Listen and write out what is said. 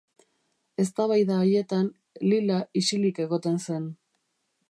Eztabaida haietan, Lila isilik egoten zen.